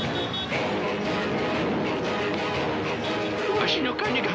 わしの金が！